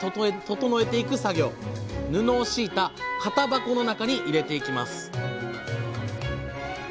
布を敷いた型箱の中に入れていきます